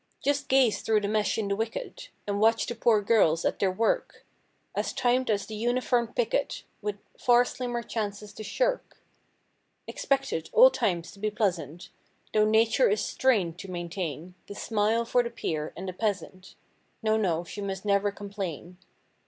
Just gaze through the mesh in the wicket And watch the poor girls at their work; As timed as the uniformed picket, With far slimmer chances to shirk. Expected, all times, to be pleasant. Though nature is strained to maintain The smile for the peer and the peasant— No, no, she must never complain.